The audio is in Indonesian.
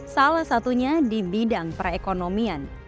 salah satunya di bidang perekonomian